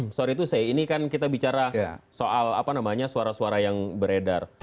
maaf ya ini kan kita bicara soal suara suara yang beredar